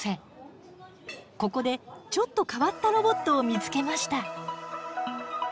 ここでちょっと変わったロボットを見つけました。